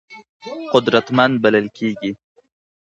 قدرتمند بلل کېږي.